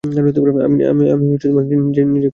আমি নিজেই করতে পারি, ওকে?